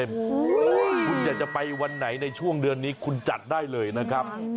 คุณอยากจะไปวันไหนในช่วงเดือนนี้คุณจัดได้เลยนะครับ